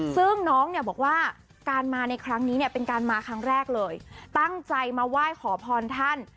ซึ่งน้องเนี่ยบอกว่าการมาในครั้งนี้เนี่ยเป็นการมาครั้งแรกเลยตั้งใจมาไหว้ขอพรท่าน